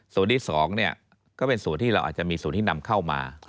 ส่วนที่๒ก็เป็นส่วนที่เราอาจจะมีส่วนที่นำเข้ามา